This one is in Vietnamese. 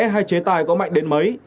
hay chế tài có mạnh đến mấy